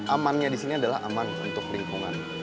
aman nya di sini adalah aman untuk lingkungan